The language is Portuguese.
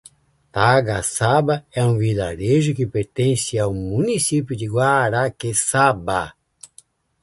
Tagaçaba é um vilarejo que pertence ao município de Guaraqueçaba.